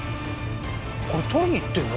これ撮りに行ってんの？